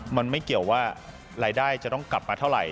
มันไม่เกี่ยวว่ารายได้จะต้องกลับมาเท่าไหร